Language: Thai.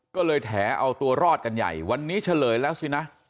ก็เลยแถเอาตัวรอดกันใหญ่วันนี้เฉลยแล้วสินะ